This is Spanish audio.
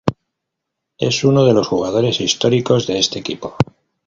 Es uno de los jugadores históricos de este equipo.